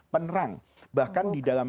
penerang bahkan di dalam